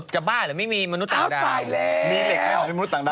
จะบ้าเหรอไม่มีมนุษย์ต่างดาวอ้าวตายแล้ว